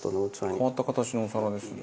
変わった形のお皿ですね。